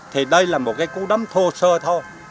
thì đây là một cái cú đấm thô sơ thôi